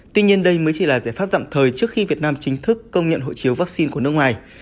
tuy nhiên đây mới chỉ là giải pháp tạm thời trước khi việt nam chính thức công nhận hộ chiếu vaccine của nước ngoài